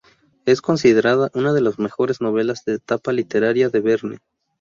Es considerada una de las mejores novelas de esa etapa literaria de Verne.